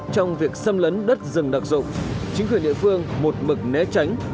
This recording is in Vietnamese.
trong việc xâm lấn đất rừng đặc dụng chính quyền địa phương một mực nét